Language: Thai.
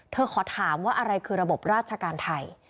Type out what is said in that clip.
ขอถามว่าอะไรคือระบบราชการไทย